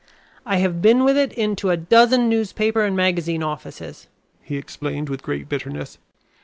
"I have been with it into a dozen newspaper and magazine offices," he explained with great bitterness.